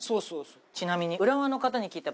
ちなみに。